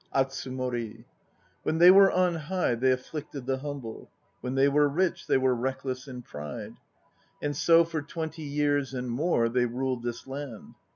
ATSUMORL When they were on high they afflicted the humble; When they were rich they were reckless in pride. And so for twenty years and more They ruled this land.